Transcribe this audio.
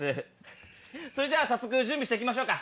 それじゃあ早速準備しましょう。